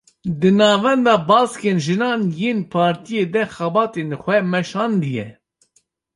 Di navenda baskên jinan yên partiyê de xebatên xwe meşandiye